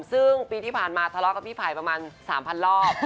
ซึ่งปีที่ผ่านมาทะเลาะกับพี่ไผ่ประมาณ๓๐๐รอบ